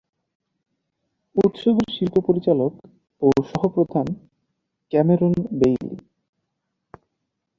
উৎসবের শিল্প পরিচালক ও সহ-প্রধান ক্যামেরন বেইলি।